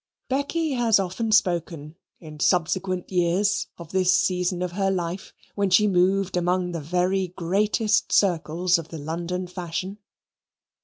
Becky has often spoken in subsequent years of this season of her life, when she moved among the very greatest circles of the London fashion.